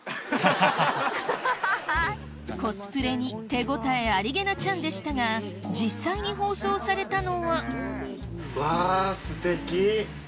コスプレに手応えありげなチャンでしたが実際に放送されたのはうわすてき。